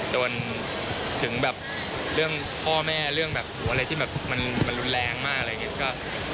จนถึงแบบเรื่องพ่อแม่เรื่องแบบอะไรที่แบบมันรุนแรงมากอะไรอย่างนี้